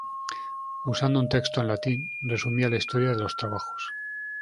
Usando un texto en latín, resumía la historia de los trabajos.